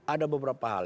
ada beberapa hal